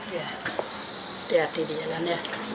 ya diadili alamnya